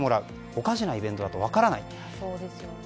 おかしなイベントだと分からない。